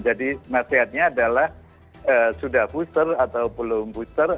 jadi nasihatnya adalah sudah booster atau belum booster